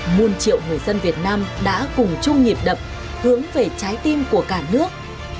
muôn triệu người dân việt nam đã cùng chung nhịp đập hướng về trái tim của cả nước